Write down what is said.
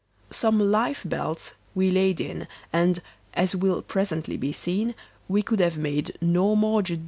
Some life belts we laid in, and, as will presently be seen, we could have made no more judicious purchase.